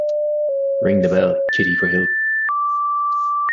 Ring the bell, Kitty, for Hill.